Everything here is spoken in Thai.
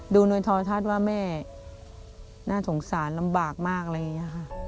ดูโนยทรทัศน์ว่าแม่น่ะสงสารลำบากมากเลยอะค่ะ